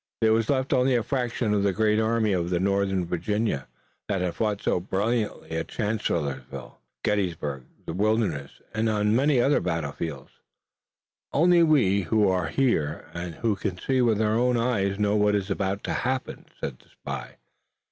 There was left only a fraction of the great Army of Northern Virginia that had fought so brilliantly at Chancellorsville, Gettysburg, the Wilderness and on many another battlefield. "Only we who are here and who can see with our own eyes know what is about to happen," said the spy.